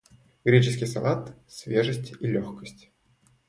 Греческий салат - свежесть и легкость.